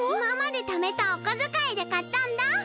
いままでためたおこづかいでかったんだ。